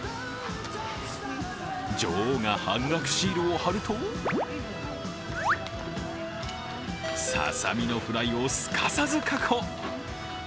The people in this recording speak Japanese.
女王が半額シールを貼るとささみのフライをすかさず確保。